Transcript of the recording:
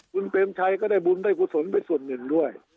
คุณเปรมชัยก็ได้บุญได้กุศลไปส่วนหนึ่งด้วย